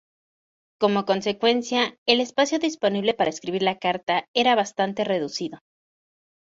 Como consecuencia, el espacio disponible para escribir la carta era bastante reducido.